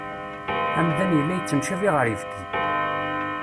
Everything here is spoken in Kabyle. Amdan yella yettemcabi ɣer yibki.